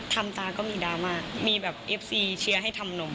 ตาก็มีดราม่ามีแบบเอฟซีเชียร์ให้ทำนม